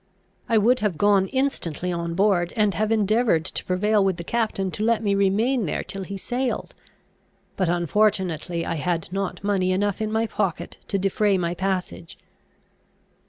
I would have gone instantly on board, and have endeavoured to prevail with the captain to let me remain there till he sailed; but unfortunately I had not money enough in my pocket to defray my passage.